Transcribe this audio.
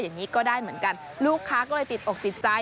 อย่างนี้ก็ได้เหมือนกันลูกค้าก็เลยติดอกติดใจ